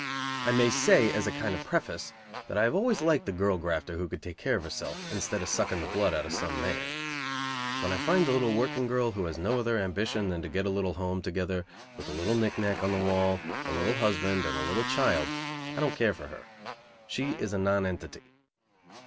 I may say, as a kind of preface, that I have always liked the girl grafter who could take care of herself instead of sucking the blood out of some man. When I find a little working girl who has no other ambition than to get a little home together, with a little knick knack on the wall, a little husband and a little child, I don't care for her. She is a nonentity.